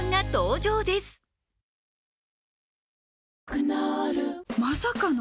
クノールまさかの！？